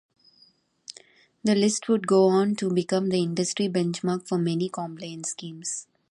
This list would go on to become the industry benchmark for many compliance schemes.